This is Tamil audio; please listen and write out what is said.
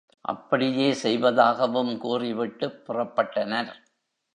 அப்படியே செய்வதாகவும் கூறிவிட்டுப் புறப்பட்டனர்.